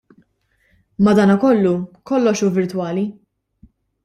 Madankollu kollox hu virtwali.